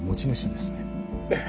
ええ。